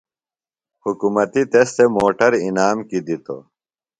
حُکمتیۡ تس تھےۡ موٹر انعام کیۡ دِتوۡ۔